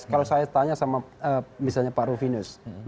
kalau saya tanya sama misalnya pak rufinus